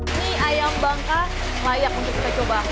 ini ayam bangka layak untuk kita coba